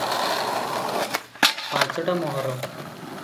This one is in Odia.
ପାଞ୍ଚଟା ମୋହର ।